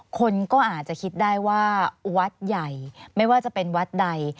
คนก็อาจจะคิดได้ว่าวัดใหญ่ไม่ว่าจะเป็นวัดใด